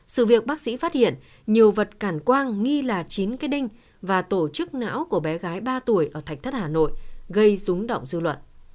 sự việc bác sĩ phát hiện nhiều vật cản quang nghi là chín cây đinh và tổ chức não của bé gái ba tuổi ở thạch thất hà nội gây rúng động dư luận